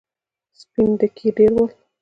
سپين ډکي ډېر ول.